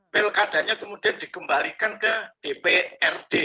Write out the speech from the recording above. pilkadanya kemudian dikembalikan ke dprd